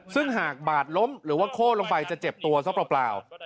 ซึ่งหากบาดล้มหรือว่าโค้นลงไปจะเจ็บตัวซะเปล่า